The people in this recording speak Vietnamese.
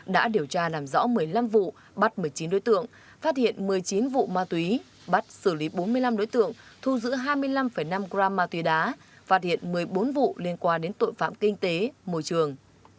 đã điều tra làm rõ một mươi năm vụ bắt một mươi chín đối tượng phát hiện một mươi chín vụ ma túy bắt xử lý bốn mươi năm đối tượng thu giữ hai mươi năm năm gram ma túy đá phát hiện một mươi bốn vụ liên quan đến tội phạm kinh tế môi trường